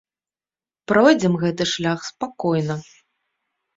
Пройдзем гэты шлях спакойна.